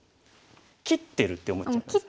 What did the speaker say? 「切ってる」って思っちゃいます。